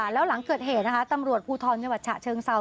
แล้วหลังเกิดเหตุนะคะตำรวจภูทรจังหวัดฉะเชิงเซา